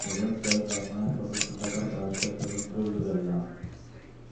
O vento aínda ameaza os restos da carpa das festas do entroido de Aldán.